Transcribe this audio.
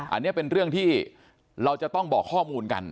อันนี้เป็นเรื่องที่เราจะต้องบอกข้อมูลกัน